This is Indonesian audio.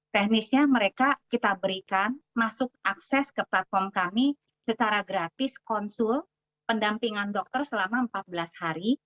teknisnya mereka kita berikan masuk akses ke platform kami secara gratis konsul pendampingan dokter selama empat belas hari